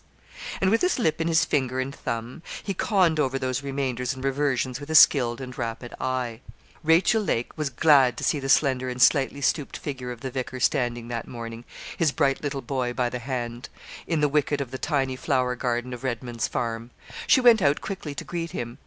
And, with his lip in his finger and thumb, he conned over those remainders and reversions with a skilled and rapid eye. Rachel Lake was glad to see the slender and slightly stooped figure of the vicar standing that morning his bright little boy by the hand in the wicket of the tiny flower garden of Redman's Farm. She went out quickly to greet him.